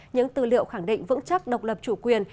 những tư liệu khẳng định vững chắc độc lập chủ quyền